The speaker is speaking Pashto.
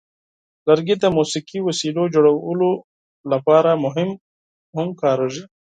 لرګي د موسیقي وسیلو جوړولو لپاره هم کارېږي.